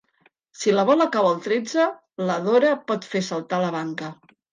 Si la bola cau al tretze la Dora pot fer saltar la banca.